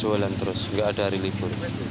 jualan terus nggak ada hari libur